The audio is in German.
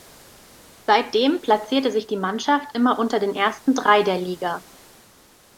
Seitdem platzierte sich die Mannschaft immer unter den ersten Drei der Liga.